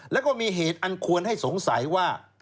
แล้วก็มีเหตุอันควรให้สงสัยว่า